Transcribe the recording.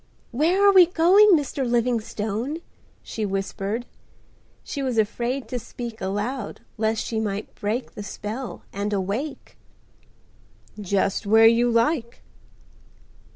"Where are we going, Mr. Livingstone?" she whispered. She was afraid to speak aloud lest she might break the spell and awake. "Just where you like."